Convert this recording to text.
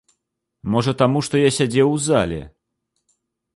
Можа таму, што я сядзеў у зале!